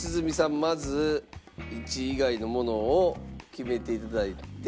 まず１位以外のものを決めて頂いて。